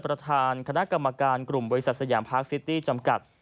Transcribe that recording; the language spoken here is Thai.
ประธานคณะกรรมการกลุ่มบริษัทสยามพากซิตี้จำกัด